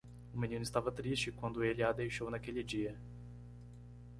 O menino estava triste quando ele a deixou naquele dia.